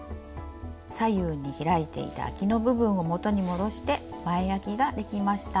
左右に開いていたあきの部分を元に戻して前あきができました。